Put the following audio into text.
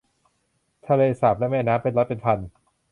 ทะเลสาบและแม่น้ำ เป็นร้อยเป็นพัน